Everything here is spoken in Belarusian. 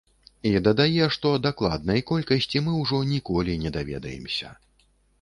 І дадае, што дакладнай колькасці мы ўжо ніколі не даведаемся.